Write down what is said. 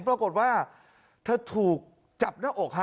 ปรากฏว่าเธอถูกจับหน้าอกฮะ